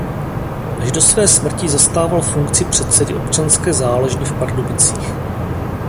Až do své smrti zastával funkci předsedy Občanské záložny v Pardubicích.